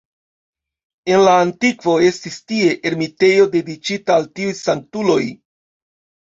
En la antikvo estis tie ermitejo dediĉita al tiuj sanktuloj.